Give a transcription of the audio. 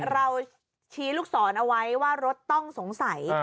เราชี้ลูกศรเอาไว้ว่ารถต้องสงสัย